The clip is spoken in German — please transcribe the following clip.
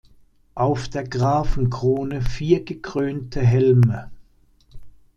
Auf der Grafenkrone vier gekrönte Helme.